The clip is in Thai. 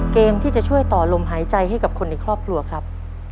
เกมที่จะช่วยต่อลมหายใจให้กับคนในครอบครัวครับ